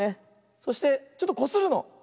そしてちょっとこするの。